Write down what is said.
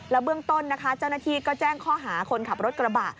เบื้องต้นนะคะเจ้าหน้าที่ก็แจ้งข้อหาคนขับรถกระบะ